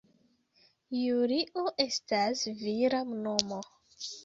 Julio estas vira nomo.